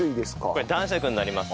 これ男爵になります。